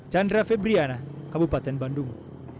chandra febriana kabupaten bandung